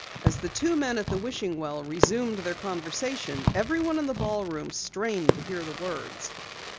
As the two men at the wishing well resumed their conversation, everyone in the ballroom strained to hear the words.